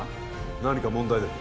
何か問題でも？